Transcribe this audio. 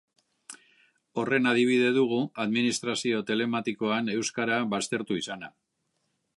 Horren adibide dugu administrazio telematikoan euskara baztertu izana.